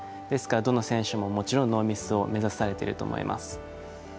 ですから、どの選手ももちろんノーミスを目指されていると思います。